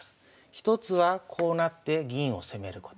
１つはこうなって銀を攻めること。